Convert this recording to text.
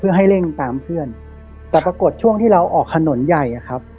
เพื่อให้เร่งตามเพื่อนแต่ปรากฏช่วงที่เราออกถนนใหญ่อะครับ